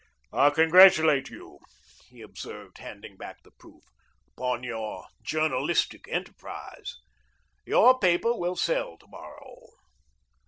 "I congratulate you," he observed, handing back the proof, "upon your journalistic enterprise. Your paper will sell to morrow."